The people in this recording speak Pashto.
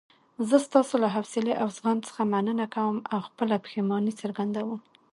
زه ستاسو له حوصلې او زغم څخه مننه کوم او خپله پښیماني څرګندوم.